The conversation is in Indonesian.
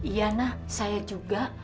iya nah saya juga